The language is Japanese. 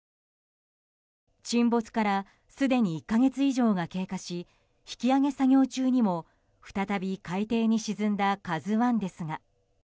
沈没からすでに１か月以上が経過し引き揚げ作業中にも再び海底に沈んだ「ＫＡＺＵ１」ですが。